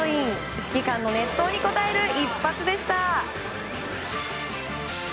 指揮官の熱投に応える一発でした。